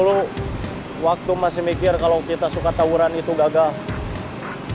saya masih mikir kalau kita suka tawuran itu gagal